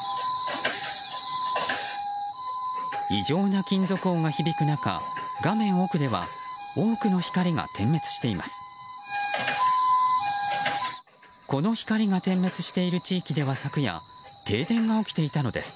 異常な金属音が響く中画面奥では多くの光が点滅しています。